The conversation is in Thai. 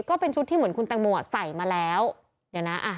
ก็เป็นชุดที่เหมือนคุณแตงโมอ่ะใส่มาแล้วเดี๋ยวนะอ่ะ